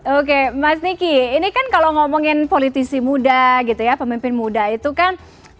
oke mas niki ini kan kalau ngomongin politisi muda gitu ya pemimpin muda itu kan